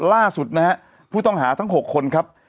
ล่าสุดนะฮะผู้ต้องหาทั้ง๖คนครับ